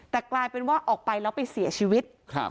แต่กลายเป็นว่าออกไปแล้วไปเสียชีวิต